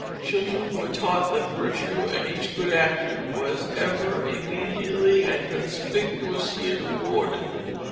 Children were taught that virtue and each good action was ever, immediately, and conspicuously rewarded.